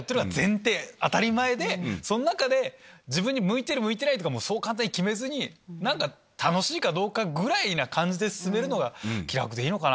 その中で自分に向いてる向いてないも簡単に決めずに楽しいかどうかぐらいな感じで進めるのが気楽でいいのかな。